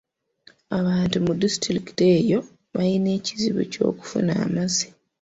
Abantu mu disitulikiti eyo balina ekizibu ky'okufuna amazzi.